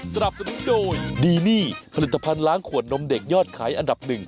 สวัสดีครับ